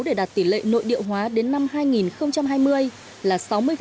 để đạt tỷ lệ nội địa hóa đến năm hai nghìn hai mươi là sáu mươi